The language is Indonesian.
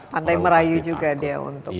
pantai merayu juga dia untuk